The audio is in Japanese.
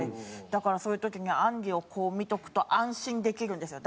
だからそういう時にあんりをこう見ておくと安心できるんですよ。